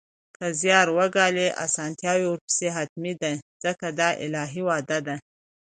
که زیار وګالئ، اسانتیا ورپسې حتمي ده ځکه دا الهي وعده ده